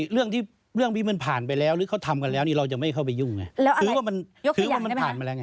เรื่องที่เรื่องวิเมินผ่านไปแล้วหรือเขาทำกันแล้วเราจะไม่เข้าไปยุ่ง